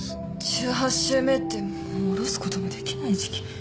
１８週目ってもうおろすこともできない時期。